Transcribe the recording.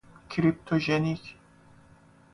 کریپتوژنیک